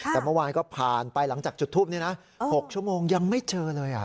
แต่เมื่อวานก็ผ่านไปหลังจากจุดทูปนี้นะ๖ชั่วโมงยังไม่เจอเลย